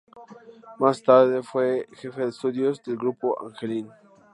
Más tarde fue jefe de estudios del grupo Angelini.